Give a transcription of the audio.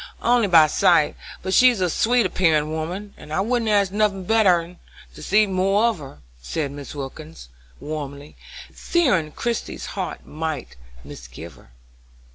"Only by sight, but she's a sweet appearin' woman, and I wouldn't ask nothin' better 'n to see more of her," said Mrs. Wilkins, warmly, fearing Christie's heart might misgive her.